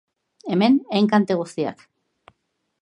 Hemen, enkante guztiak.